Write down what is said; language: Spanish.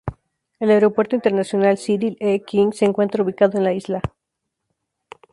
El Aeropuerto Internacional Cyril E. King se encuentra ubicado en la isla.